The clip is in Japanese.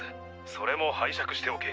それも拝借しておけ。